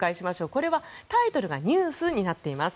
これはタイトルがニュースになっています。